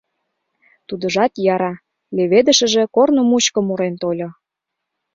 Тудыжат яра, леведышыже корно мучко мурен тольо.